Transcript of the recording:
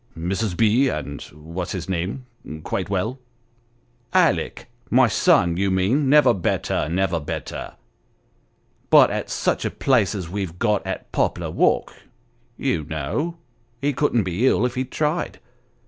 Mrs. B. and what's his name quite well ?"" Alick my son, you mean ; never better never better. But at such a place as we've got at Poplar Walk, you know, he couldn't be ill if he tried.